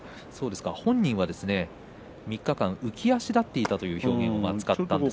本人は３日間浮き足だっていたという表現をしました。